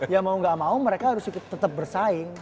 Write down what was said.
ya mau gak mau mereka harus ikut tetap bersaing